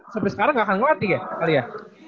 sampai sekarang nggak akan ngelatih ya